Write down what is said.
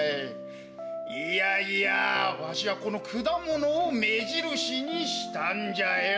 いやいやわしはこの果物を目印にしたんじゃよ。